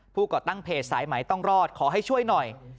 ก่อตั้งเพจสายไหมต้องรอดขอให้ช่วยหน่อย